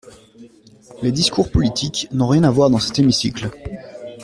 Les discours politiques n’ont rien à voir dans cet hémicycle.